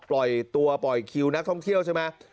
ปล่อยตัวปล่อยคิวนักท่องเที่ยวใช่ไหม